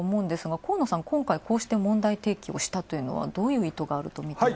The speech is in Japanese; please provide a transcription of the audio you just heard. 河野さんはこうして問題提起をしたというのはどういう意図があるんでしょうか。